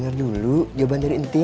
bakal kau back tapi